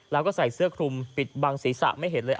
แล้วก็ใส่เสื้อคลุมปิดบังศีรษะไม่เห็นเลย